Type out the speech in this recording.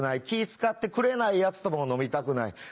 気ぃ使ってくれないヤツとも飲みたくない。